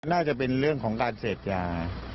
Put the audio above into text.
น่าจะเป็นเรื่องของการเสพยา